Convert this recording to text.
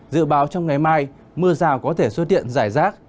dự báo trong ngày mai mưa rào có thể xuất hiện rải rác